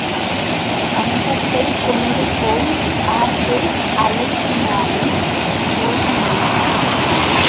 அங்கத்தைக் கொண்டு போய் ஆற்றில் அலைசினாலும் தோஷம் இல்லை,